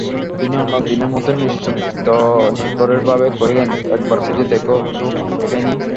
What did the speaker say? তিনি অন্য দিনের মতোই নিশ্চিন্ত নির্ভরের ভাবে কহিলেন, একবার খুঁজে দেখো তো ফেনি।